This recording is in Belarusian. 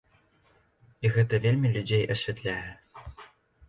І гэта вельмі людзей асвятляе.